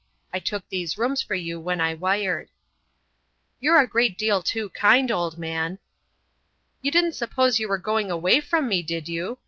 I took these rooms for you when I wired." "You're a great deal too kind, old man." "You didn't suppose you were going away from me, did you?"